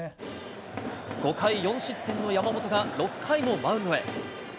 ５回４失点の山本が、６回もマウンドへ。